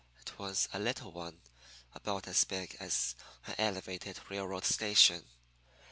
It was a little one, about as big as an elevated railroad station.